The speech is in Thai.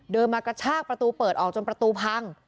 มากระชากประตูเปิดออกจนประตูพัง